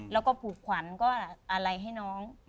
แล้วก็ผูกขวัญก็อะไรให้น้อง